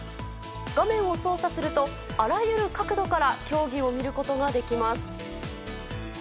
画面を操作するとあらゆる角度から競技を見ることができます。